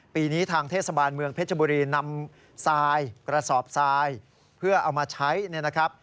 ปีนี้ทางเทศบาลเมืองเพชรบุรีนำทรายกระสอบทรายเพื่อเอามาใช้เนี่ยนะครับ